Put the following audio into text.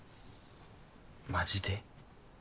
マジで？